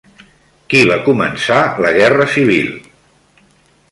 Qui va començar la Guerra Civil?